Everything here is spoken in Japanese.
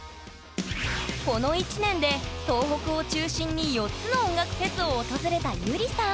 この１年で東北を中心に４つの音楽フェスを訪れたゆりさん